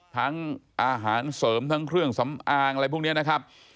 ทั้งอาหารเสริมทั้งเครื่องสำอางอะไรพวกนี้นะครับ